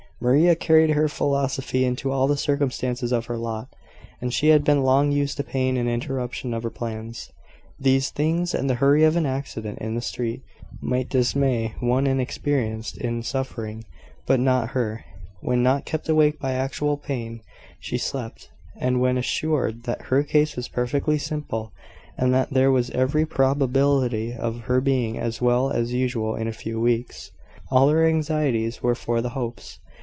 Maria carried her philosophy into all the circumstances of her lot, and she had been long used to pain and interruption of her plans. These things, and the hurry of an accident in the street, might dismay one inexperienced in suffering, but not her. When not kept awake by actual pain, she slept; and when assured that her case was perfectly simple, and that there was every probability of her being as well as usual in a few weeks, all her anxieties were for the Hopes.